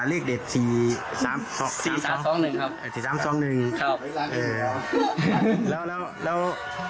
เลขเด็ดสี่สามสองสี่สามสองหนึ่งครับไอ้สี่สามสองหนึ่งครับเอ่อแล้วแล้ว